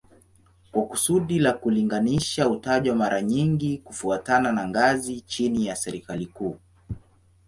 Kwa kusudi la kulinganisha hutajwa mara nyingi kufuatana na ngazi chini ya serikali kuu